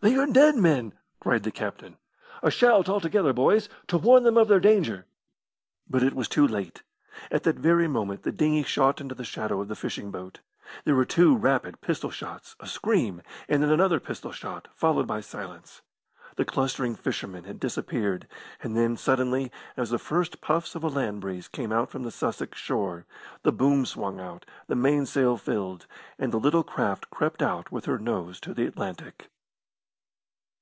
"They are dead men!" cried the captain. "A shout all together, boys, to warn them of their danger." But it was too late. At that very moment the dinghy shot into the shadow of the fishing boat. There were two rapid pistol shots, a scream, and then another pistol shot, followed by silence. The clustering fishermen had disappeared. And then, suddenly, as the first puffs of a land breeze came out from the Sussex shore, the boom swung out, the mainsail filled, and the little craft crept out with her nose to the Atlantic.